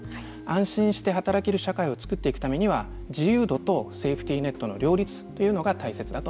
安心して働ける社会を作っていくためには自由度とセーフティーネットの両立というのが大切だと思います。